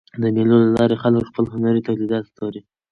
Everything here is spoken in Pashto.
د مېلو له لاري خلک خپل هنري تولیدات پلوري.